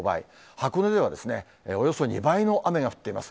箱根ではおよそ２倍の雨が降っています。